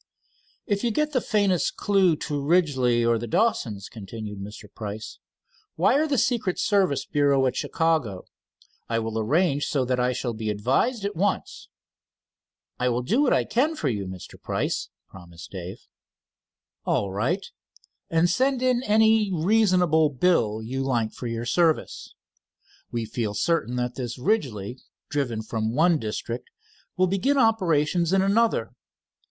"If you get the faintest clew to Ridgely or the Dawsons," continued Mr. Price, "wire the secret service bureau at Chicago. I will arrange so that I shall be advised at once." "I will do what I can for you, Mr. Price," promised Dave. "All right, and send in any reasonable bill you like for your service. We feel certain that this, Ridgely, driven from one district, will begin operations in another.